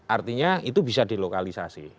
artinya itu bisa dilokalisasi